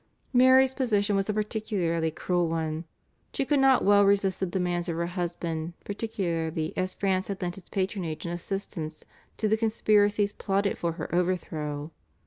Mary's position was a particularly cruel one. She could not well resist the demands of her husband, particularly as France had lent its patronage and assistance to the conspiracies plotted for her overthrow.